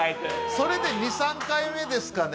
それで２３回目ですかね。